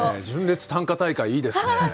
純烈短歌大会いいですね。